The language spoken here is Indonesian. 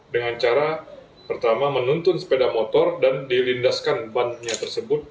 dengan cara pertama menuntun sepeda motor dan dilindaskan bannya tersebut